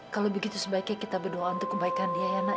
kalau begitu sebaiknya kita berdoa untuk kebaikan dia ya